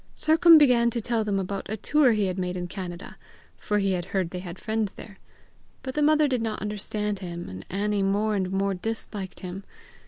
Sercombe began to tell them about a tour he had made in Canada, for he had heard they had friends there; but the mother did not understand him, and Annie more and more disliked him.